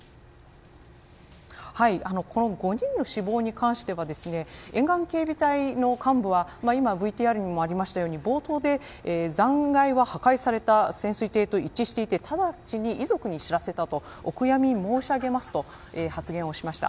この５人の死亡に関しては沿岸警備隊の幹部はＶＴＲにもあったように冒頭で、残骸は破壊された潜水艇と一致していて直ちに遺族に知らせたとお悔やみ申し上げますと発言されました。